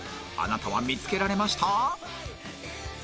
あなたは見つけられました？